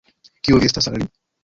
Kio vi estas al li?